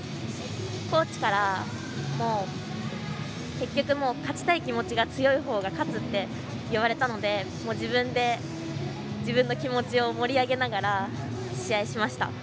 コーチから、結局勝ちたい気持ちが強いほうが勝つって言われたので自分で自分の気持ちを盛り上げながら試合しました。